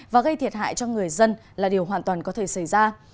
và gây thiệt hại cho người dân là điều hoàn toàn có thể xảy ra